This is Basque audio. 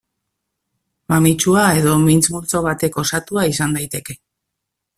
Mamitsua edo mintz multzo batek osatua izan daiteke.